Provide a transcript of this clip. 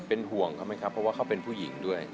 เป็นห่วงเขาไหมครับเพราะว่าเขาเป็นผู้หญิงด้วย